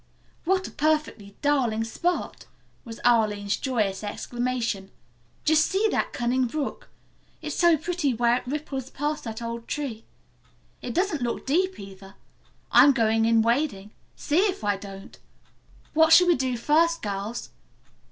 "What a perfectly darling spot!" was Arline's joyous exclamation. "Just see that cunning brook! It's so pretty where it ripples past that old tree. It doesn't look deep, either. I'm going in wading. See if I don't." "What shall we do first, girls?"